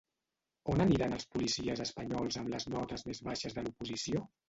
On aniran els policies espanyols amb les notes més baixes de l'oposició?